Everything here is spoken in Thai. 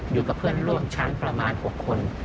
อยู่กับเพื่อนร่วมชั้นประมาณ๖คน